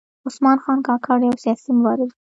عثمان خان کاکړ یو سیاسي مبارز و .